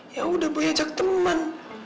ya udah boleh ajak teman